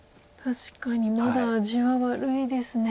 確かにまだ味は悪いですね。